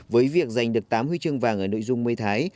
với việc giành được tám huy chương vàng ở nội dung mây thái